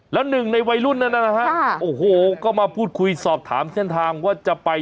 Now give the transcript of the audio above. แล้วหนึ่งในวัยรุ่นนั้นนะฮะโอ้โหก็มาพูดคุยสอบถามเส้นทางว่าจะไป